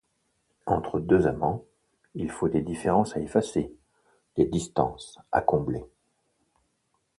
Entre deux amants, il faut des différences à effacer, des distances à combler.